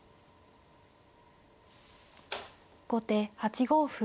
後手８五歩。